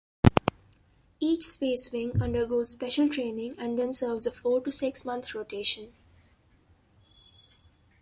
Each Space Wing undergoes special training then serves a four to six month rotation.